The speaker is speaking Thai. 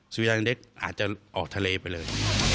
สุนัขเล็กอาจจะออกทะเลไปเลย